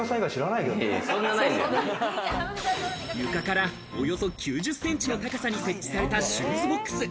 床からおよそ９０センチの高さに設置されたシューズボックス。